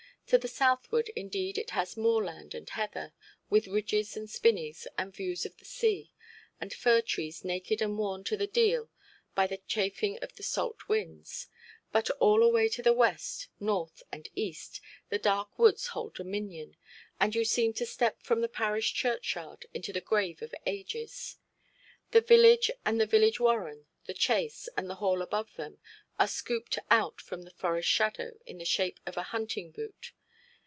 To the southward indeed it has moorland and heather, with ridges, and spinneys, and views of the sea, and fir–trees naked and worn to the deal by the chafing of the salt winds. But all away to the west, north, and east, the dark woods hold dominion, and you seem to step from the parish churchyard into the grave of ages. The village and the village warren, the chase, and the Hall above them, are scooped from out the forest shadow, in the shape of a hunting boot.